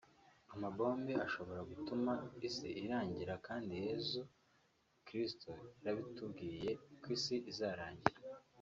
amabombe ashobora gutuma isi irangira kandi na Yezu Kiristo yarabitubwiye ko isi izarangira